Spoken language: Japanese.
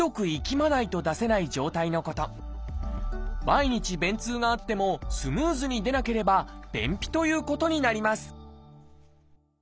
毎日便通があってもスムーズに出なければ便秘ということになります